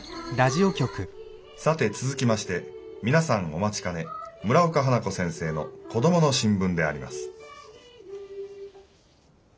さて続きまして皆さんお待ちかね村岡花子先生の「コドモの新聞」であります。